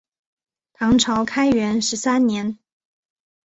唐朝开元十三年。